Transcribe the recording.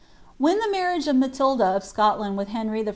When the marriage of Matilda of Scotland with Iletuy I.